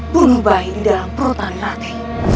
bunuh bayi di dalam perut nari rati